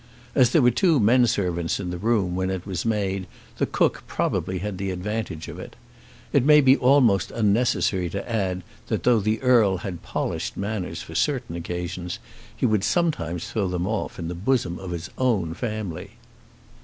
As there were two men servants in the room when it was made the cook probably had the advantage of it. It may be almost unnecessary to add that though the Earl had polished manners for certain occasions he would sometimes throw them off in the bosom of his own family.